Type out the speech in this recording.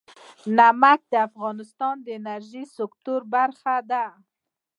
نمک د افغانستان د انرژۍ سکتور برخه ده.